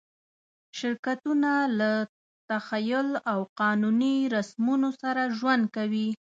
شرکتونه له تخیل او قانوني رسمونو سره ژوند کوي.